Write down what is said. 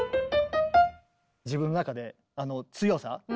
自分の中で強さ。